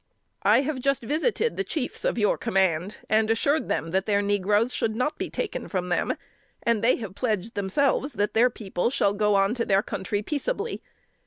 "I have just visited the chiefs of your command, and assured them that their negroes should not be taken from them, and they have pledged themselves that their people should go on to their country peaceably.